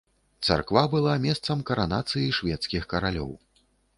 Царква была месцам каранацыі шведскіх каралёў.